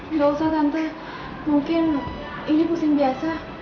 nggak usah santai mungkin ini pusing biasa